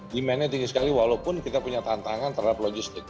demandnya tinggi sekali walaupun kita punya tantangan terhadap logistik